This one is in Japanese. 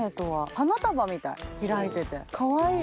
花束みたい開いててかわいい！